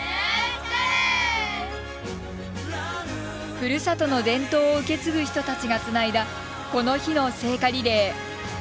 ふるさとの伝統を受け継ぐ人たちがつないだこの日の聖火リレー。